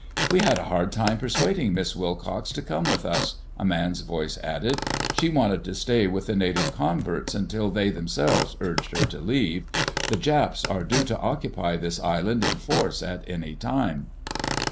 "We had a hard time persuading Miss Wilcox to come with us," a man's voice added. "She wanted to stay with the native converts until they themselves urged her to leave. The Japs are due to occupy this island in force at any time."